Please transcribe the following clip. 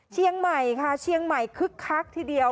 เชียงใหม่ค่ะเชียงใหม่คึกคักทีเดียว